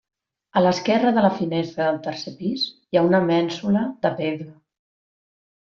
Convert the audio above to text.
A l'esquerra de la finestra del tercer pis hi ha una mènsula de pedra.